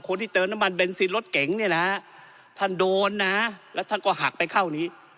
คนที่เติมน้ำมันเบนซินรถเก๋งเนี่ยนะฮะท่านโดนนะแล้วท่านก็หักไปเข้านี้